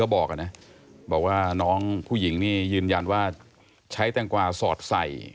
บอกนะบอกว่าน้องผู้หญิงนี่ยืนยันว่าใช้แตงกวาสอดใส่